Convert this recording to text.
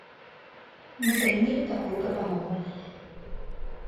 Мы прынялі такую прапанову.